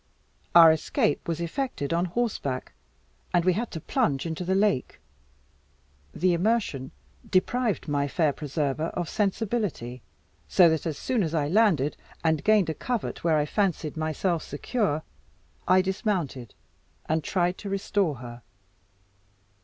Our escape was effected on horseback, and we had to plunge into the lake. The immersion deprived my fair preserver of sensibility, so that as soon as I landed, and gained a covert where I fancied myself secure, I dismounted, and tried to restore her.